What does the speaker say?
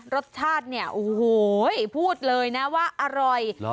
รสชาติเนี่ยโอ้โหพูดเลยนะว่าอร่อย